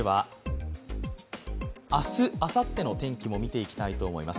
明日、あさっての天気も見ていきたいと思います。